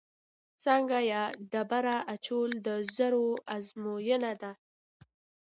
سانګه یا ډبره اچول د زور ازموینه ده.